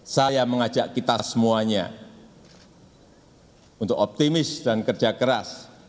saya mengajak kita semuanya untuk optimis dan kerja keras